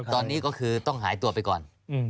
ตอนนี้ก็คือต้องหายตัวไปก่อน